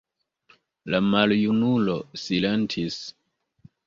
La maljunulo silentis.